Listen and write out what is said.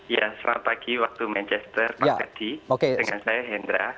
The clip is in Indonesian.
ya selamat pagi waktu manchester pak ferdi dengan saya hendra